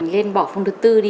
nên bỏ môn thứ bốn đi